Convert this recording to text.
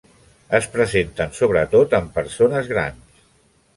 Es presenten sobretot en persones grans.